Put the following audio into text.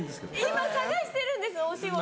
今探してるんですお仕事